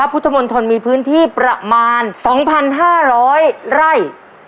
พุทธมนตรมีพื้นที่ประมาณ๒๕๐๐ไร่